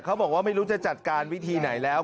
เขาบอกว่าไม่รู้จะจัดการวิธีไหนแล้ว